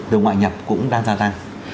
từ ngoại nhập cũng đang gia tăng